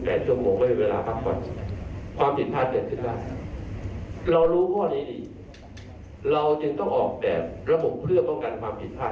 เราจึงต้องออกแบบระบบเพื่อป้องกันความผิดพลาด